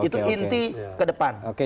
itu inti ke depan